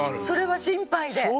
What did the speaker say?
それは心配で。